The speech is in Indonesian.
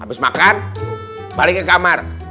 habis makan balik ke kamar